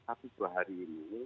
tapi dua hari ini